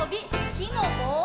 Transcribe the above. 「木のぼう」